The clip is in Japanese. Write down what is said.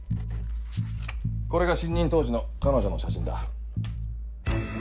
これが新任当時の彼女の写真だ。